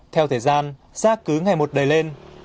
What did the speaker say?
theo thời gian rác cứ ngày một đầy lên